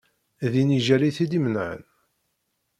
D inijel i t-id-imenɛen.